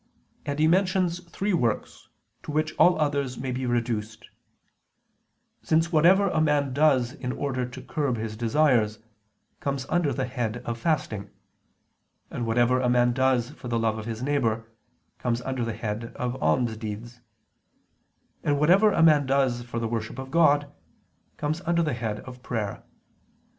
And He mentions three works, to which all others may be reduced: since whatever a man does in order to curb his desires, comes under the head of fasting; and whatever a man does for the love of his neighbor, comes under the head of alms deeds; and whatever a man does for the worship of God, comes under the head of prayer.